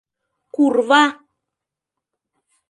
Курва!..